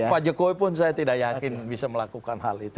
pak jokowi pun saya tidak yakin bisa melakukan hal itu